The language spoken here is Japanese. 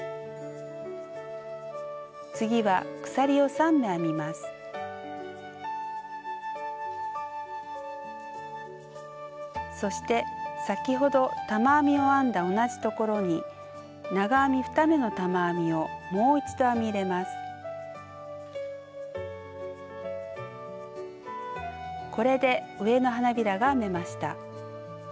次はそして先ほど玉編みを編んだ同じところにこれで上の花びらが編めました。